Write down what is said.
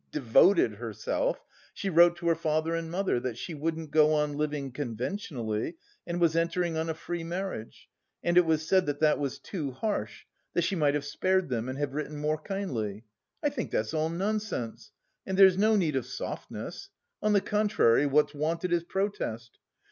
devoted... herself, she wrote to her father and mother that she wouldn't go on living conventionally and was entering on a free marriage and it was said that that was too harsh, that she might have spared them and have written more kindly. I think that's all nonsense and there's no need of softness; on the contrary, what's wanted is protest.